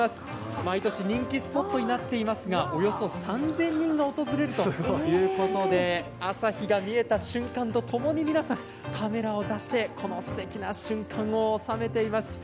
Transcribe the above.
毎年人気スポットになっていますが毎年３０００人が訪れるということで朝日が見えた瞬間とともに皆さん、カメラを出してこのすてきな瞬間を収めています。